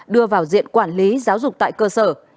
đưa vào diện quản lý giáo dục tại cơ sở